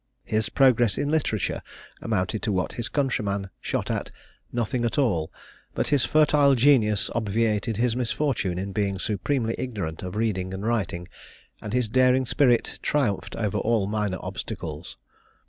His progress in literature amounted to what his countryman shot at, "nothing at all;" but his fertile genius obviated his misfortune in being supremely ignorant of reading and writing, and his daring spirit triumphed over all minor obstacles.